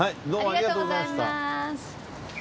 ありがとうございます。